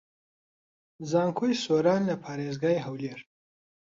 زانکۆی سۆران لە پارێزگای هەولێر